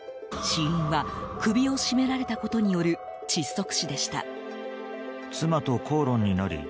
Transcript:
死因は首を絞められたことによる窒息死でした。